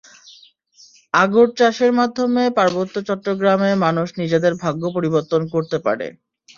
আগর চাষের মাধ্যমে পার্বত্য চট্টগ্রামের মানুষ নিজেদের ভাগ্য পরিবর্তন করতে পারে।